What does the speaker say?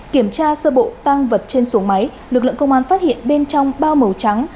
kiểm tra sơ bộ tăng vật trên xuống máy lực lượng công an phát hiện bên trong bao màu trắng